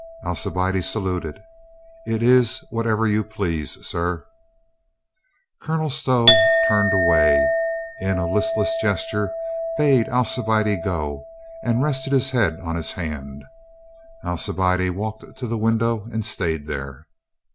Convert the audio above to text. Alcibiade saluted. "It is whatever you please, sir." Colonel Stow turned away, in a listless gesture bade Alcibiade go, and rested his head on his hand. Alcibiade walked to the window and stayed there.